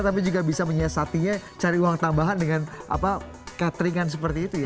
tapi juga bisa menyiasatinya cari uang tambahan dengan cateringan seperti itu ya